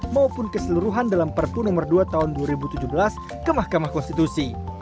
maupun keseluruhan dalam perpu nomor dua tahun dua ribu tujuh belas ke mahkamah konstitusi